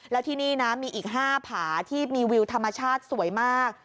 แล้วที่นี่นะมีอีก๕ผาที่มีวิวธรรมชาติสวยมาก